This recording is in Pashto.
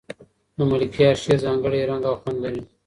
د ملکیار شعر ځانګړی رنګ او خوند لري.